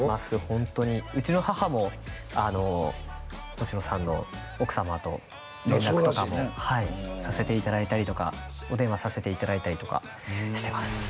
ホントにうちの母も星野さんの奥様と連絡とかもはいそうらしいねさせていただいたりとかお電話させていただいたりとかしてます